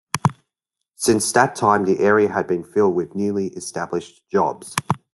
Since that time the area had been filled with newly established jobs.